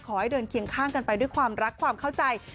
ขอให้เดินเคียงข้างกันไปด้วยความรักความเข้าใจ